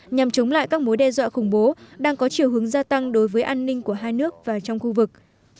nhằm chống lại các mối đe dọa khủng bố đang có chiều hướng gia tăng đối với an ninh của hai nước và trong khu vực